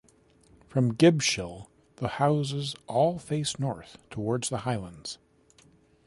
From Gibshill the houses all face north toward the Highlands.